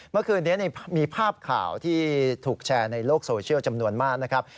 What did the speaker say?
เมื่อคืนนี้มีภาพข่าวที่ถูกแชร์ในโลกโซเชียลจำนวนมากนะครับ